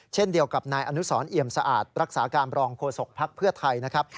เช่นเดียวกับนายอนุสรเอี่ยมสะอาดรักษาการรองโฆษกภักดิ์เพื่อไทยนะครับ